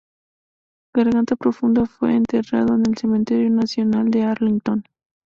Garganta Profunda fue enterrado en el Cementerio Nacional de Arlington.